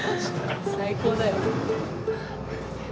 最高だよ。